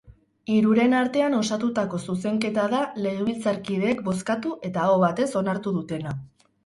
Hiruren artean osatutako zuzenketa da legebiltzarkideek bozkatu eta aho batez onartu dutena.